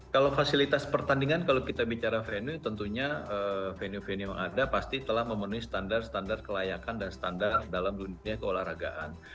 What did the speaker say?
kalau fasilitas pertandingan kalau kita bicara venue tentunya venue venue yang ada pasti telah memenuhi standar standar kelayakan dan standar dalam dunia keolahragaan